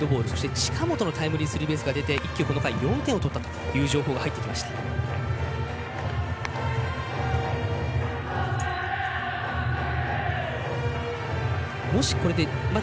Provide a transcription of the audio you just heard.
近本のタイムリースリーベースが出てこの回４点を取ったという情報が入ってきました。